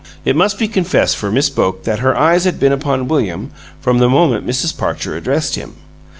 It must be confessed for Miss Boke that her eyes had been upon William from the moment Mrs. Parcher addressed him.